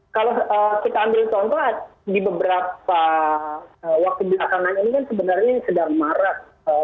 kalau kita ambil contoh di beberapa waktu belakangan ini kan sebenarnya sedang marah